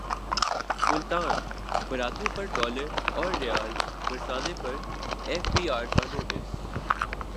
ملتان باراتیوں پرڈالراورریال برسانے پرایف بی رکانوٹس